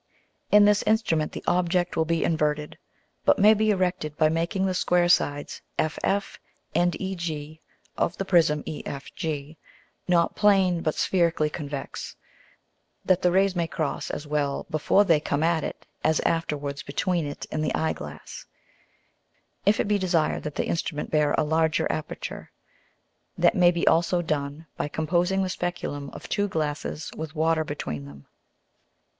[Illustration: FIG. 29.] In this Instrument the Object will be inverted, but may be erected by making the square sides FF and EG of the Prism EFG not plane but spherically convex, that the Rays may cross as well before they come at it as afterwards between it and the Eye glass. If it be desired that the Instrument bear a larger aperture, that may be also done by composing the Speculum of two Glasses with Water between them.